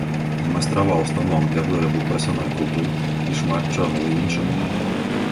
Змайстраваў станок для вырабу прасяной крупы і шмат чаго іншага.